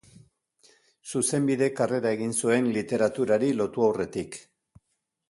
Zuzenbide-karrera egin zuen literaturari lotu aurretik.